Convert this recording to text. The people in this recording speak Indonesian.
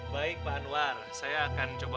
baik pak anwar saya akan coba